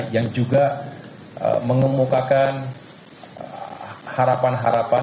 yang juga mengemukakan harapan harapan